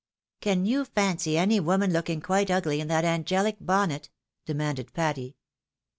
" Can you fancy any woman looking quite ugly in that angelic bonnet? " demanded Patty.